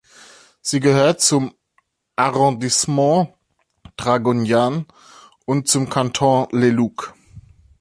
Sie gehört zum Arrondissement Draguignan und zum Kanton Le Luc.